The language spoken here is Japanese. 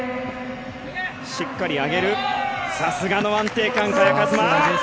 しっかり上げてさすがの安定感、萱和磨。